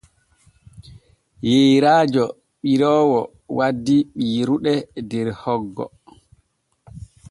Yeerajo ɓiroowo wandi ɓiirude der hoggo.